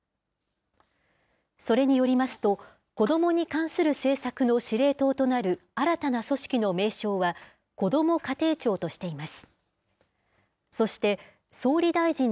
それによりますと、子どもに関する政策の司令塔となる新たな組織の名称は、こども家庭庁としています。